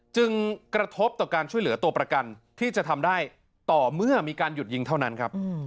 กระทบต่อการช่วยเหลือตัวประกันที่จะทำได้ต่อเมื่อมีการหยุดยิงเท่านั้นครับ